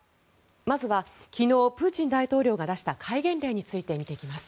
まずは昨日プーチン大統領が出した戒厳令について見ていきます。